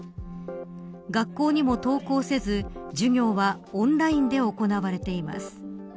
学校にも登校せず、授業はオンラインで行われています。